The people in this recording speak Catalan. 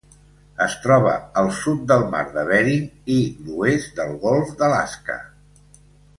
Es troba al sud del mar de Bering i l'oest del Golf d'Alaska.